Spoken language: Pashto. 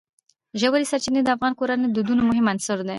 ژورې سرچینې د افغان کورنیو د دودونو مهم عنصر دی.